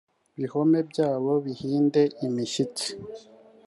bihome byabo bahinde imishyitsi